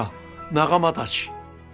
仲間たち！